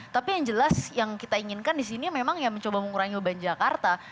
tapi yang jelas yang kita inginkan di sini memang ya mencoba mengurangi beban jakarta